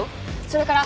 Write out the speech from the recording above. それから。